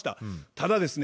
ただですね